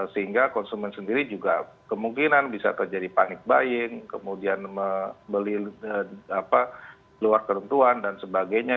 sehingga konsumen sendiri juga kemungkinan bisa terjadi panik buying kemudian membeli luar kerentuan dan sebagainya